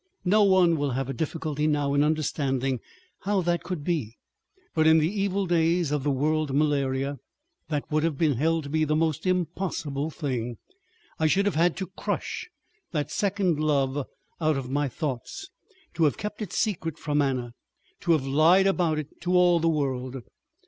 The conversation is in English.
No one will have a difficulty now in understanding how that could be, but in the evil days of the world malaria, that would have been held to be the most impossible thing. I should have had to crush that second love out of my thoughts, to have kept it secret from Anna, to have lied about it to all the world.